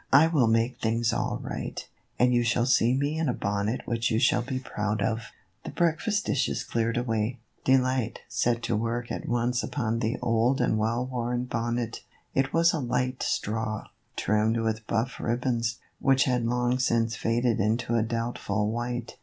I will make things all right, and you shall see me in a bonnet which you shall be proud of." The breakfast dishes cleared away, Delight set to work at once upon the old and well worn bonnet. It was a light straw, trimmed with buff ribbons, which had long since faded into a doubtful white.